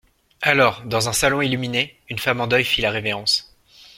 Alors, dans un salon illuminé, une femme en deuil fit la révérence.